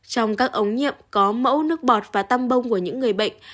trong các ống nhiệm có mẫu nước bọt và tăm bông của những người bệnh